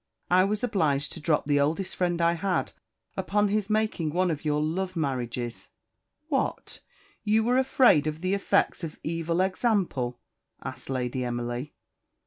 I was obliged to drop the oldest friend I had upon his making one of your love marriages." "What! you were afraid of the effects of evil example?" asked Lady Emily.